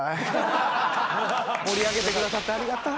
盛り上げてくださってありがたい。